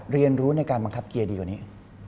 เรียนรู้ในการบังคับเกียร์ดีกว่านี้